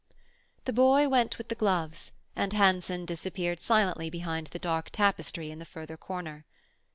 The boy went with the gloves and Hanson disappeared silently behind the dark tapestry in the further corner.